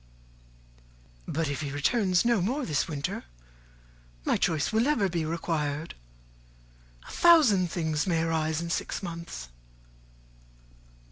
"But if he returns no more this winter, my choice will never be required. A thousand things may arise in six months."